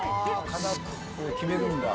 決めるんだ。